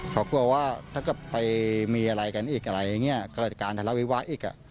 เขากลัวว่าถ้าเกิดไปมีอะไรกันอีกอะไรอย่างนี้เกิดการทะเลาวิวาสอีก